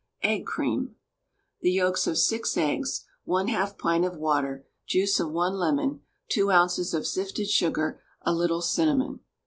EGG CREAM. The yolks of 6 eggs, 1/2 pint of water, juice of 1 lemon, 2 oz. of sifted sugar, a little cinnamon.